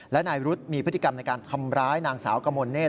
และนายรุธมีพฤติกรรมในการทำร้ายนางสาวกมลเนธ